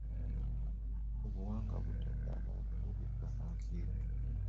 Obuwangwa butadde abantu mu bikolwa nga ebyo.